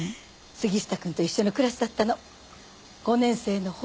杉下くんと一緒のクラスだったの５年生のほんの数日だけよ。